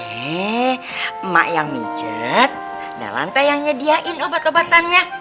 eh mak yang mijet nelan teh yang nyediain obat obatannya